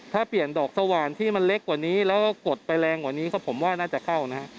ถ้าเปลี่ยนดอกสว่านที่มันเล็กกว่านี้แล้วก็กดไปแรงกว่านี้ก็ผมว่าน่าจะเข้านะฮะ